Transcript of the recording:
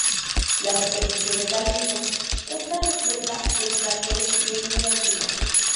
La superficie de Calisto está repleta de cráteres y es muy antigua.